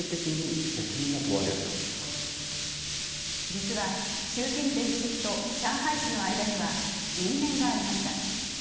実は習近平主席と上海市の間には因縁がありました。